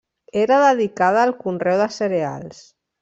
Era dedicada al conreu de cereals.